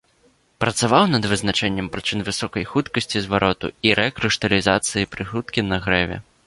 Працаваў над вызначэннем прычын высокай хуткасці звароту і рэкрышталізацыі пры хуткім нагрэве.